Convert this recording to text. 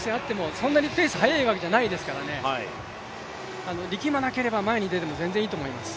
そんなにペースが速いわけじゃないですからね、力まなければ前に出ても全然いいと思います。